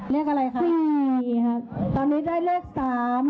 เรียกอะไรคะสี่ครับ